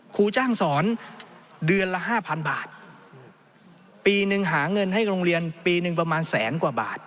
ครูจ้างสอนเดือนละห้าพันบาทปีหนึ่งหาเงินให้โรงเรียนปีหนึ่งประมาณแสนกว่าบาท